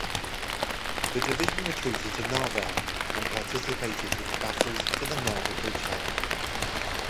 The division retreated to Narva and participated in the battles for the Narva bridgehead.